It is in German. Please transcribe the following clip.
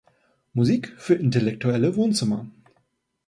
Musik für intellektuelle Wohnzimmer.